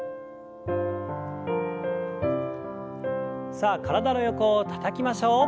さあ体の横をたたきましょう。